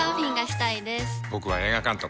僕は映画監督。